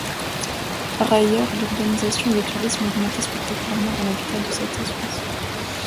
Par ailleurs, l'urbanisation et le tourisme ont augmenté spectaculairement dans l'habitat de cette espèce.